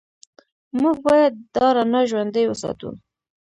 موږ باید دا رڼا ژوندۍ وساتو.